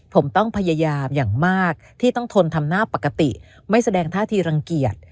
ผมต้องพยายามอย่างมากที่ต้องทนทำหน้าปกติไม่แสดงท่าทีรังเกียจ